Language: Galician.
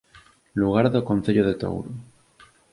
Lugar do Concello de Touro